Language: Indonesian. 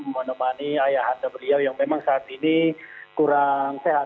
menemani ayah anda beliau yang memang saat ini kurang sehat